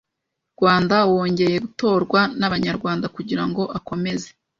Rwanda wongeye gutorwa n Abanyarwanda kugira ngo akomeze